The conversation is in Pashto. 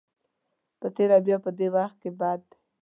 په تېره بیا په دې وخت کې بد دی.